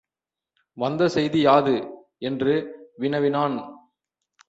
வந்த செய்தி யாது? என்று வினவினான்.